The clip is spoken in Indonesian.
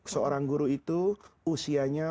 seorang guru itu usianya